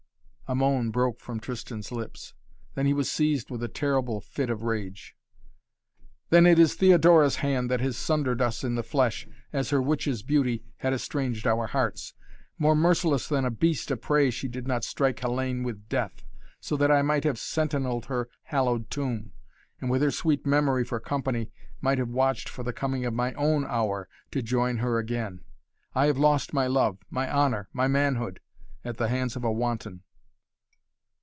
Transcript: A moan broke from Tristan's lips. Then he was seized with a terrible fit of rage. "Then it is Theodora's hand that has sundered us in the flesh as her witches' beauty had estranged our hearts. More merciless than a beast of prey she did not strike Hellayne with death, so that I might have sentinelled her hallowed tomb, and with her sweet memory for company might have watched for the coming of my own hour to join her again! I have lost my love my honor my manhood at the hands of a wanton."